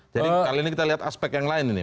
jadi kali ini kita lihat aspek yang lain ini